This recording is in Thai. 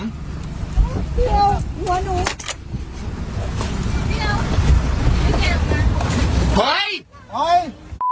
พี่เบลหัวหนู